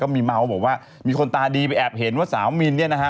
มีเมาส์บอกว่ามีคนตาดีไปแอบเห็นว่าสาวมินเนี่ยนะฮะ